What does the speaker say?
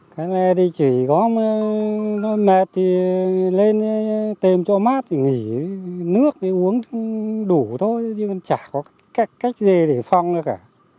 cái này thì chỉ có mệt thì lên tìm cho mát thì nghỉ nước thì uống đủ thôi chứ chả có cách gì để phong nữa cả